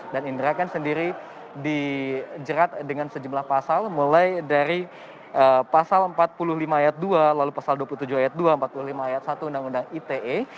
dan indra cance sendiri dijerat dengan sejumlah pasal mulai dari pasal empat puluh lima ayat dua lalu pasal dua puluh tujuh ayat dua empat puluh lima ayat satu undang undang ite